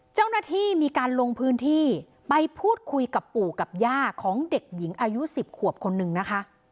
เจ้าหน้าที่มีการลงพื้นที่ไปพูดคุยกับปู่กับย่าของเด็กหญิงอายุ๑๐ขวบคนนึงนะคะ